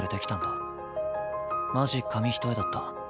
マジ紙一重だった。